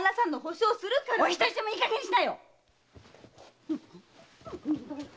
お人好しもいいかげんにしなよ！